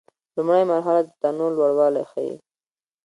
لومړۍ مرحلې د تنوع لوړوالی ښيي.